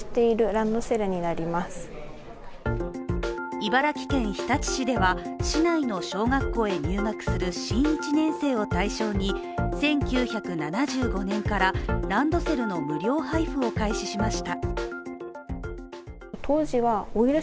茨城県日立市では、市内の小学校へ入学する新１年生を対象に、１９７５年からランドセルの無料配布を開始しました。